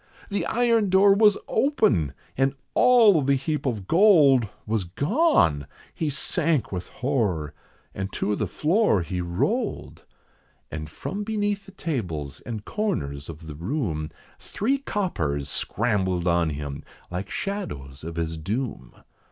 The iron door was open, and all the heap of gold Was gone! He sank with horror, and to the floor he rolled. And from beneath the tables and corners of the room, Three coppers scrambled on him, like shadows of his doom.